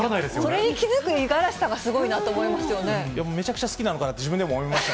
それに気付く五十嵐さんが、めちゃくちゃ好きなのかなって自分でも思いました。